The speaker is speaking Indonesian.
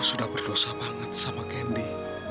aku sudah berdosa banget sama candy